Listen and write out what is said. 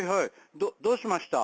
どうしました？